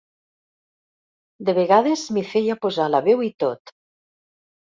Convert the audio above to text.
De vegades m'hi feia posar la veu i tot.